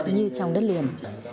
như trong đất liền